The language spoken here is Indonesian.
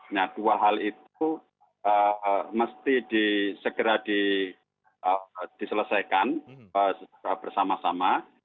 nah dua hal itu mesti segera diselesaikan bersama sama